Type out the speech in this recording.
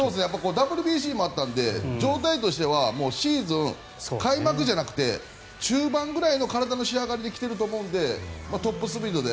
ＷＢＣもあったので状態としてはシーズン開幕じゃなくて中盤ぐらいの体の仕上がりで来てると思うのでトップスピードで。